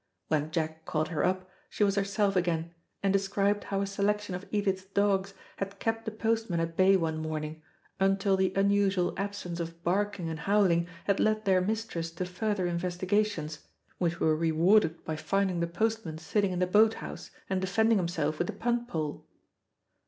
When Jack caught her up she was herself again, and described how a selection of Edith's dogs had kept the postman at bay one morning, until the unusual absence of barking and howling had led their mistress to further investigations, which were rewarded by finding the postman sitting in the boat house, and defending himself with the punt pole.